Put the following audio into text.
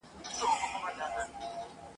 بيا به ګرم کي بزمونه ..